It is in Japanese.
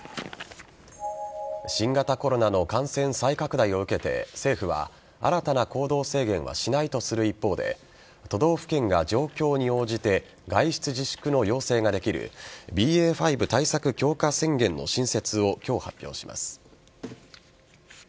新型コロナの感染再拡大を受けて政府は、新たな行動制限はしないとする一方で都道府県が状況に応じて外出自粛の要請ができるＢＡ．５対策強化宣言の新設を今日発表します。